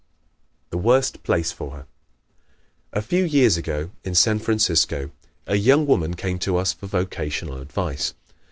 The Worst Place for Her ¶ A few years ago, in San Francisco, a young woman came to us for vocational advice.